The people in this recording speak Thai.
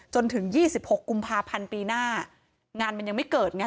จนถึง๒๖กุมภาพันธ์ปีหน้างานมันยังไม่เกิดไง